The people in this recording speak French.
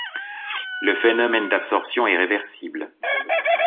Le phénomène d'adsorption est réversible.